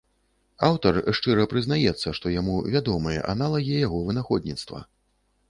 Аўтар шчыра прызнаецца, што яму вядомыя аналагі яго вынаходніцтва.